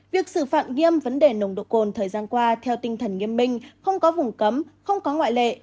việc xử phạt nghiêm vấn đề nồng độ cồn thời gian qua theo tinh thần nghiêm minh không có vùng cấm không có ngoại lệ